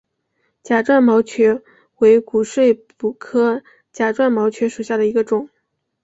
假钻毛蕨为骨碎补科假钻毛蕨属下的一个种。